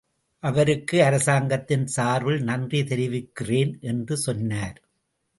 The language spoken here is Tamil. அவருக்கு அரசாங்கத்தின் சார்பில் நன்றி தெரிவிக்கிறேன் என்று சொன்னார்.